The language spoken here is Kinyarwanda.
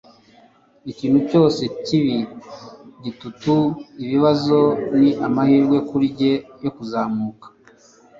Ikintu cyose kibi - igitutu, ibibazo - ni amahirwe kuri njye yo kuzamuka.